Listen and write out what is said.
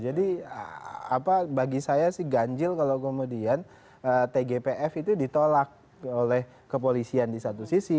jadi bagi saya sih ganjil kalau kemudian tgpf itu ditolak oleh kepolisian di satu sisi